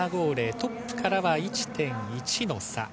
トップからは１．１の差。